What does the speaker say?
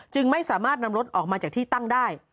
จึงไม่สามารถนำรถออกมาจากที่ตั้งได้